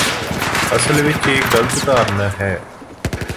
ਅਸਲ ਵਿਚ ਇਹ ਗਲਤ ਧਾਰਨਾ ਹੈ